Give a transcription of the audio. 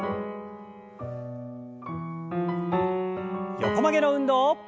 横曲げの運動。